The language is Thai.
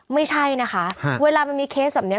ไม่ใช่นะคะเวลามันมีเคสแบบนี้